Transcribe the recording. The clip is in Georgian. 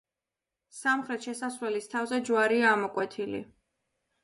სამხრეთ შესასვლელის თავზე ჯვარია ამოკვეთილი.